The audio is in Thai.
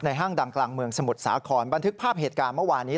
ห้างดังกลางเมืองสมุทรสาครบันทึกภาพเหตุการณ์เมื่อวานี้